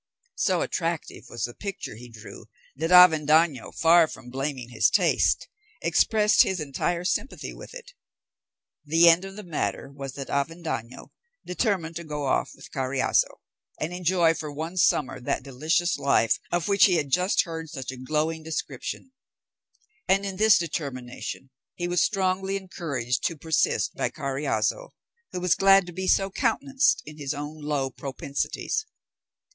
So attractive was the picture he drew, that Avendaño, far from blaming his taste, expressed his entire sympathy with it. The end of the matter was that Avendaño determined to go off with Carriazo, and enjoy for one summer that delicious life of which he had just heard such a glowing description; and in this determination he was strongly encouraged to persist by Carriazo, who was glad to be so countenanced in his own low propensities.